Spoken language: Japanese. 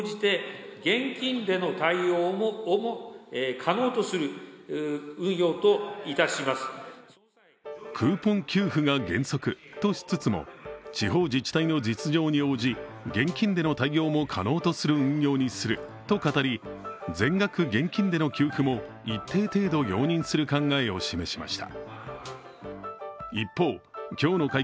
これに対し、岸田総理はクーポン給付が原則としつつも、地方自治体の実情に応じ現金での対応も可能にする運用とすると語り全額現金での給付も一定程度容認する考えを示しました。